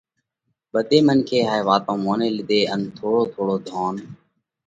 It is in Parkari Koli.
ٻڌي منکي هائي وات موني لِيڌئِي ان ٿوڙو ٿوڙو ڌونَ